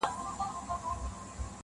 شپې په برخه سوې د غلو او د بمانو-